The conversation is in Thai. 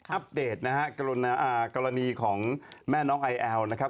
อัพเดทกรณีของแม่น้องไอแอวนะครับ